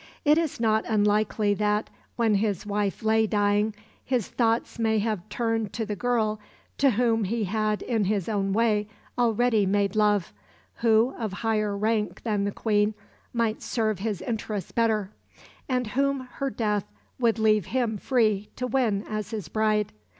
It is not unlikely that, when his wife lay dying, his thoughts may have turned to the girl to whom he had in his own way already made love; who, of higher rank than the Queen, might serve his interests better, and whom her death would leave him free to win as his bride.